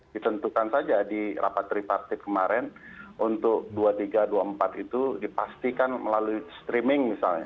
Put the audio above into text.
ditentukan saja di rapat tripartit kemarin untuk dua puluh tiga dua puluh empat itu dipastikan melalui streaming misalnya